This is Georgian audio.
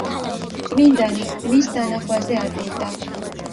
წმინდანი მის დანახვაზე ატირდა.